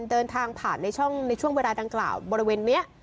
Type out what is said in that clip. เดินทางผ่านในช่องในช่วงเวลาดังกล่าวบริเวณนี้